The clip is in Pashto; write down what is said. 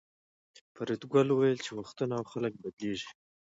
فریدګل وویل چې وختونه او خلک بدلیږي